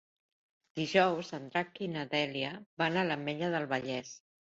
Dijous en Drac i na Dèlia van a l'Ametlla del Vallès.